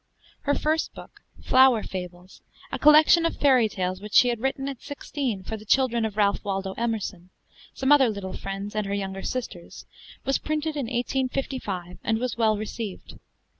Her first book, 'Flower Fables,' a collection of fairy tales which she had written at sixteen for the children of Ralph Waldo Emerson, some other little friends, and her younger sisters, was printed in 1855 and was well received.